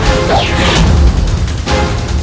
jangan lupa untuk berlangganan